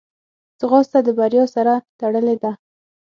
ځغاسته د بریا سره تړلې ده